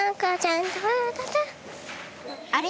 あれ？